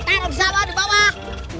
taruh di bawah